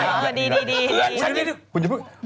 ดีดีดีดี